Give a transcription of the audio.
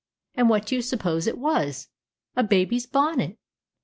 And what do you suppose it was? _A baby's bonnet!